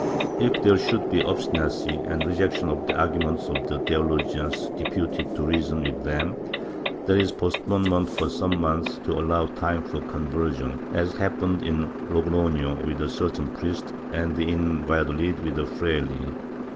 If there should be obstinacy and rejection of the arguments of the theologians deputed to reason with them, there is postpone ment for some months to allow time for conversion, as happened in Logroho with a certain priest, and in ^"alladolid with a fraile.